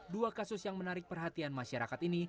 dua kasus yang menarik perhatian masyarakat ini